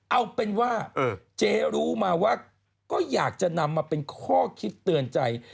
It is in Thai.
เอาเป็นว่าเจ๊รู้มาว่าก็อยากจะนำมาเป็นข้อคิดเตือนใจ